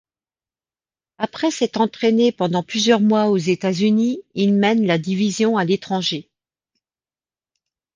Après s'être entrainé pendant plusieurs mois aux États-Unis, il mène la division à l'étranger.